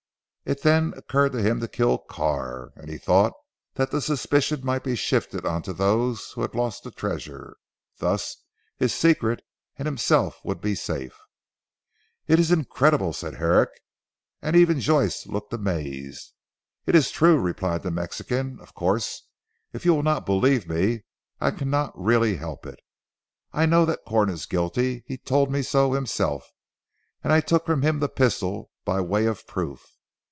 It then occurred to him to kill Carr, and he thought that the suspicion might be shifted on to those who had lost the treasure. Thus his secret and himself would be safe." "It is incredible!" said Herrick, and even Joyce looked amazed. "It is true," replied the Mexican. "Of course if you will not believe me I really cannot help it. I know that Corn is guilty. He told me so himself, and I took from him the pistol by way of proof.